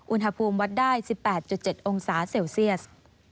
อุณหภูมิวัดได้๑๘๗องศาเซลเซียส